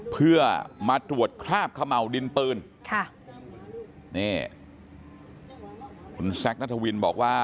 เพื่อมาตรวจคราบขม่าวดินปืน